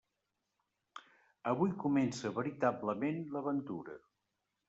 Avui comença veritablement l'aventura.